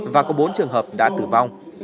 và có bốn trường hợp đã tử vong